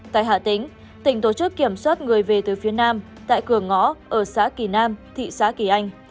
tại hà tĩnh tỉnh tổ chức kiểm soát người về từ phía nam tại cửa ngõ ở xã kỳ nam thị xã kỳ anh